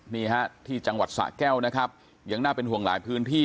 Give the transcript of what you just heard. นี่ฮะที่จังหวัดสะแก้วนะครับยังน่าเป็นห่วงหลายพื้นที่